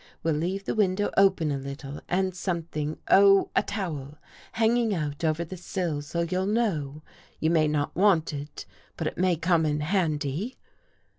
We'll leave the window open a little and something, oh, a towel — hanging over the sill so you'll know. You may not want it, but it may come in handy."